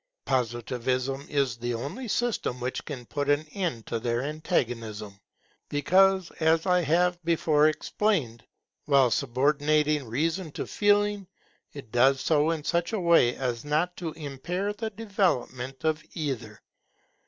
Positivism is the only system which can put an end to their antagonism, because, as I have before explained, while subordinating Reason to Feeling, it does so in such a way as not to impair the development of either.